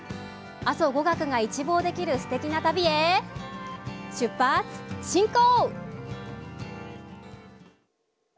阿蘇五岳が一望できるすてきな旅へ出発進行！